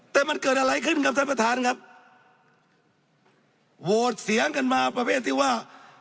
แต่มันเกิดอะไรขึ้นครับท่านประธานครับโหวตเสียงกันมาประเภทที่ว่า